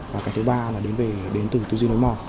và cái thứ ba đến từ tư duy nối mò